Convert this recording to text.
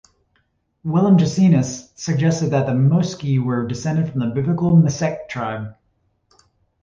Wilhelm Gesenius suggested that the Moschi were descended from the Biblical Meshech tribe.